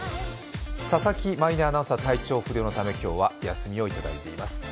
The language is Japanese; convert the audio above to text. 佐々木舞音アナウンサー、体調不良のため今日は休みをいただいています。